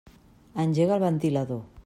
Engega el ventilador.